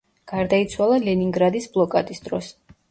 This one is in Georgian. გარდაიცვალა ლენინგრადის ბლოკადის დროს.